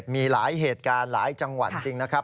มีหลายเหตุการณ์หลายจังหวัดจริงนะครับ